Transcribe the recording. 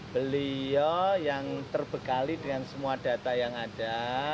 beliau yang terbekali dengan semua data yang ada